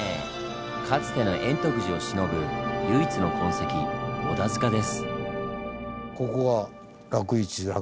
かつての円徳寺をしのぶ唯一の痕跡織田塚です。